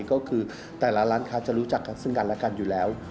ก็คือแต่ละร้านค้าจะรู้จักกันซึ่งกันและกันอยู่แล้ว